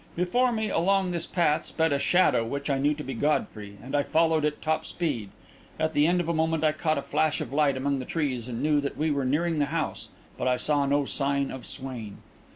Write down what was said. Before me, along this path, sped a shadow which I knew to be Godfrey, and I followed at top speed. At the end of a moment, I caught a flash of light among the trees, and knew that we were nearing the house; but I saw no sign of Swain.